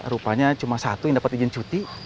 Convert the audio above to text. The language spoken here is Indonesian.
rupanya cuma satu yang dapat izin cuti